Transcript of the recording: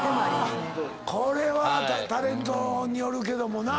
これはタレントによるけどもな。